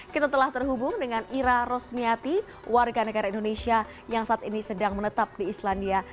kita telah terhubung dengan ira rosmiati warga negara indonesia yang saat ini sedang menetap di islandia